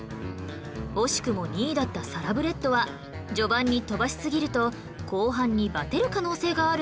惜しくも２位だったサラブレッドは序盤に飛ばしすぎると後半にバテる可能性があるんです